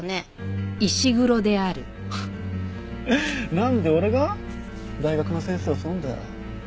なんで俺が大学の先生襲うんだよ。